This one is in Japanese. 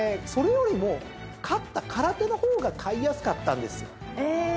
それよりも勝ったカラテの方が買いやすかったんですよ。